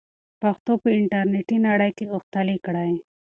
پښتو په انټرنیټي نړۍ کې غښتلې کړئ.